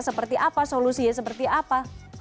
seperti apa solusinya seperti apa